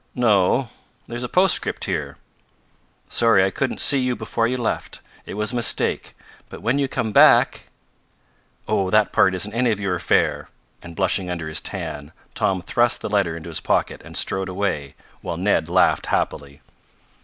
"No. There's a postscript here." "'Sorry I couldn't see you before you left. It was a mistake, but when you come back '" "Oh, that part isn't any of your affair!" and, blushing under his tan, Tom thrust the letter into his pocket and strode away, while Ned laughed happily.